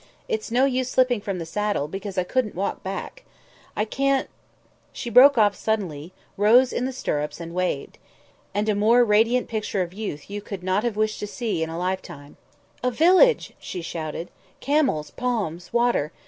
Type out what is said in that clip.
It's no use slipping from the saddle, because I couldn't walk back. I can't ..." She broke off suddenly, rose in the stirrups and waved. And a more radiant picture of youth you could not have wished to see in a lifetime. "A village!" she shouted. "Camels, palms, water.